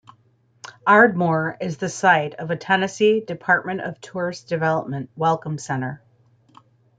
Ardmore is the site of a Tennessee Department of Tourist Development Welcome Center.